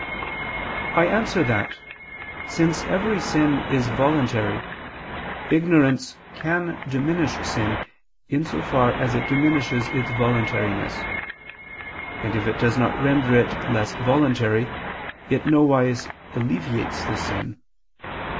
I answer that, Since every sin is voluntary, ignorance can diminish sin, in so far as it diminishes its voluntariness; and if it does not render it less voluntary, it nowise alleviates the sin.